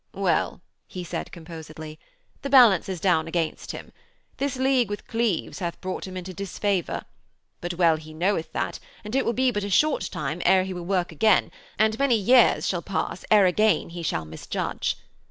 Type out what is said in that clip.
'Well,' he said composedly, 'the balance is down against him. This league with Cleves hath brought him into disfavour. But well he knoweth that, and it will be but a short time ere he will work again, and many years shall pass ere again he shall misjudge.